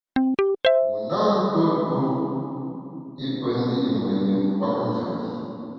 Wu na ntuo tuo i pe ndi’ me yin kwet njap bi.